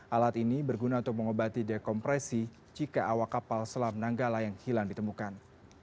alat ini berguna untuk mengobati dekompresi jika awak kapal selam nanggala yang hilang ditemukan